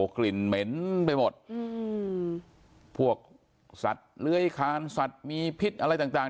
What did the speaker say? กลิ่นเหม็นไปหมดอืมพวกสัตว์เลื้อยคานสัตว์มีพิษอะไรต่าง